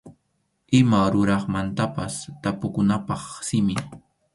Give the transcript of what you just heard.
Ima ruraqmantapas tapukunapaq simi.